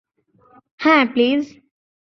হ্যাঁ, প্লিজ।